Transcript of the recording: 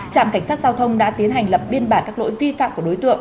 trạm cảnh sát giao thông đã tiến hành lập biên bản các lỗi vi phạm của đối tượng